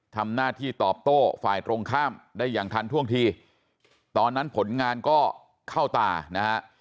ทำหน้าที่ตอบโต้ฝ่ายตรงข้ามได้อย่างทันท่วงทีตอนนั้นผลงานก็เข้าตานะฮะ